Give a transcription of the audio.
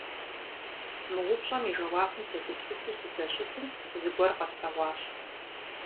Мы упщӀэм и жэуапым сегупсысу сыздэщытым, зыгуэр къэслъэгъуащ.